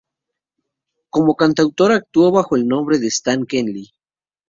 Como cantautor, actuó bajo el nombre de Stan Kelly.